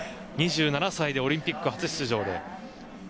２７歳でオリンピック初出場。